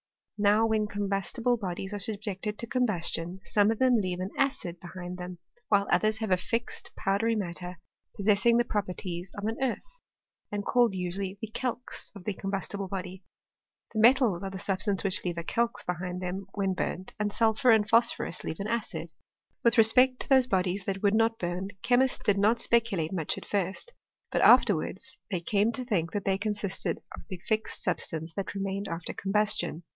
Now when combustible bodies are subjected to combustion, some of them leave an acid behind them ; while others leave a fixed powdery matter, possessing the properties of an earth, and called usually the calx of the combustible body. The metals are the substances which leave a calx behind them when burnt, and sulphur and phosphorus leave an acid. With respect to those bodies that would not burn, chemists did not speculate much at first ; but after wards they came to think that they consisted of the fixed substance that remained after combustion.